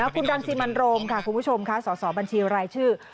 คุณรังสิมันโรมค่ะคุณผู้ชมค่ะสอสอบัญชีรายชื่อ